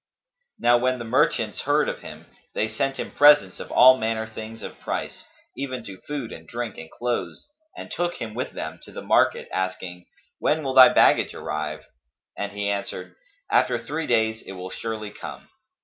Now when the merchants heard of him, they sent him presents of all manner things of price, even to food and drink and clothes, and took him with them to the market, asking, "When will thy baggage arrive?" And he answered, "After three days it will surely come."